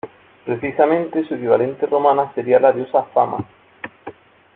Precisamente su equivalente romana sería la diosa Fama.